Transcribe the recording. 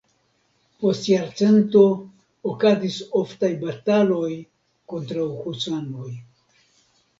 Post jarcento okazis oftaj bataloj kontraŭ husanoj.